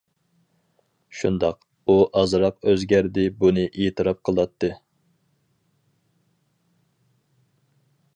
شۇنداق ئۇ ئازراق ئۆزگەردى بۇنى ئېتىراپ قىلاتتى.